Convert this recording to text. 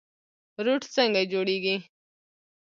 روټ څنګه جوړیږي؟